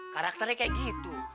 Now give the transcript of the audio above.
karakternya kayak gitu